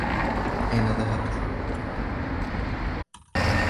أين ذهبت؟